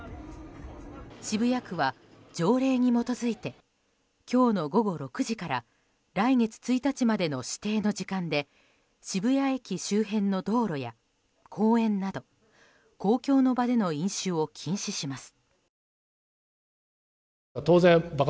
渋谷区は条例に基づいて今日の午後６時から来月１日までの指定の時間で渋谷駅周辺の道路や公園など公共の場での飲酒を禁止します。